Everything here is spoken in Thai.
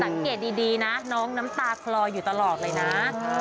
สังเกตดีนะน้องน้ำตาคลออยู่ตลอดเลยนะ